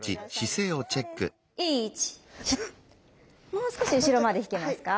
もう少し後ろまで引けますか？